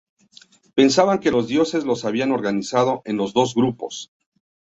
Pensaban que los dioses los habían organizado en los dos grupos.